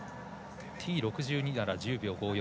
Ｔ６２なら１０秒５４。